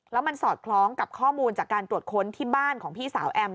แล้วมันสอดคล้องกับข้อมูลจากการตรวจค้นที่บ้านของพี่สาวแอม